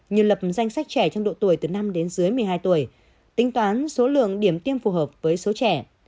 như lập danh sách trẻ trong độ tuổi từ năm đến dưới một mươi hai tuổi tính toán số lượng điểm tiêm phù hợp với số trẻ